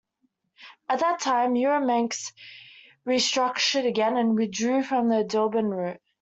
At that time, EuroManx restructured again and withdrew from the Dublin route.